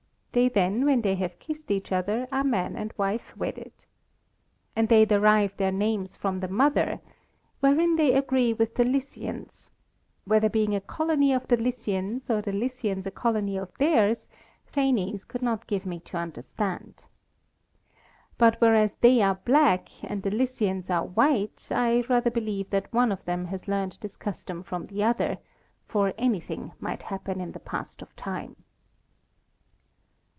They then, when they have kissed each other, are man and wife wedded. And they derive their names from the mother; wherein they agree with the Lycians, whether being a colony of the Lycians, or the Lycians a colony of theirs, Phanes could not give me to understand. But, whereas they are black and the Lycians are white, I rather believe that one of them has learned this custom from the other; for anything might happen in the past of time.